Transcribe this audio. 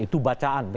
itu bacaan tentu